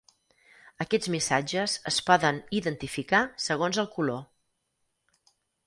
Aquests missatges es poden identificar segons el color.